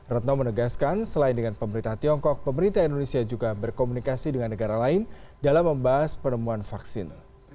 retno menegaskan selain dengan pemerintah tiongkok pemerintah indonesia juga berkomunikasi dengan negara lain dalam membahas penemuan vaksin